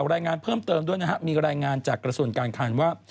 รายงานเพิ่มเติมด้วยนะครับมีรายงานจากกระทรวงการคลังว่า